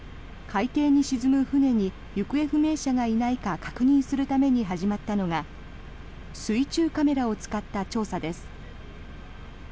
海底に沈む船に行方不明者がいないか確認するために始まったのが水中カメラを使った調査です。